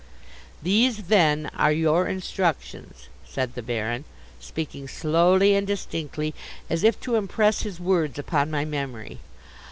"These, then, are your instructions," said the Baron, speaking slowly and distinctly, as if to impress his words upon my memory.